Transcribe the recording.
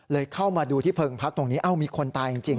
เข้ามาดูที่เพิงพักตรงนี้เอ้ามีคนตายจริง